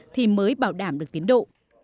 thì mới bảo đảm được tiến độ